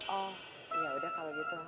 oh yaudah kalau gitu